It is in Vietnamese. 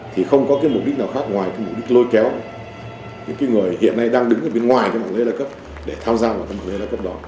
thì không có mục đích nào khác ngoài mục đích lôi kéo những người hiện nay đang đứng ở bên ngoài mạng lễ đa cấp để tham gia vào mạng lễ đa cấp đó